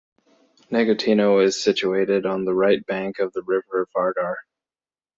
Negotino is situated on the right bank of the river Vardar.